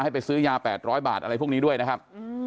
ไปซื้อยา๘๐๐บาทอะไรพวกนี้ด้วยนะครับ